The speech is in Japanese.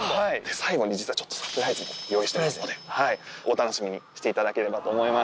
最後に実はちょっとサプライズも用意してますので、お楽しみにしていただければと思います。